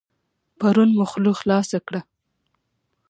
پرون مو خوله خلاصه کړه.